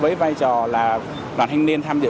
với vai trò là đoàn thanh niên tham dự